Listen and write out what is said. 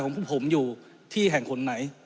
พวกผมอยู่ที่แห่งคนไหน